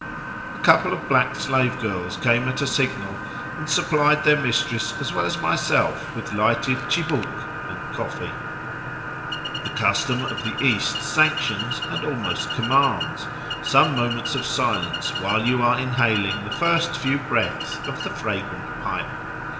A couple of black slave girls came at a signal, and supplied their mistress as well as myself with lighted tchibouques and coffee. The custom of the East sanctions, and almost commands, some moments of silence whilst you are inhaling the first few breaths of the fragrant pipe.